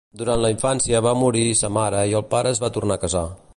Durant la infància va morir sa mare i el pare es va tornar a casar.